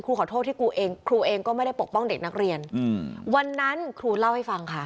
ขอโทษที่ครูเองครูเองก็ไม่ได้ปกป้องเด็กนักเรียนอืมวันนั้นครูเล่าให้ฟังค่ะ